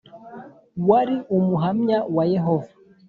wari Umuhamya wa Yehova.